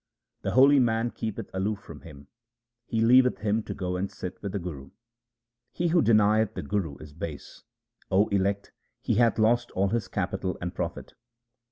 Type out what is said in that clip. The holy man keepeth aloof from him ; he leaveth him to go and sit with the Guru. He who denieth the Guru is base ; O elect, he hath lost all his capital and profit.